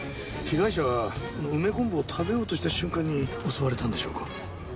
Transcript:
被害者は梅昆布を食べようとした瞬間に襲われたんでしょうか？